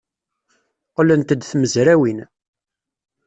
Qqlent-d tmezrawin.